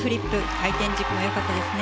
回転軸が良かったですね。